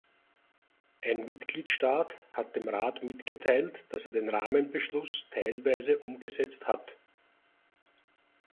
Ein Mitgliedstaat hat dem Rat mitgeteilt, dass er den Rahmenbeschluss teilweise umgesetzt hat.